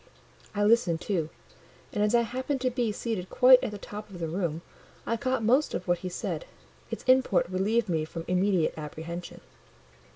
I listened too; and as I happened to be seated quite at the top of the room, I caught most of what he said: its import relieved me from immediate apprehension.